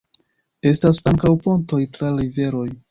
Estas ankaŭ pontoj tra la riveroj.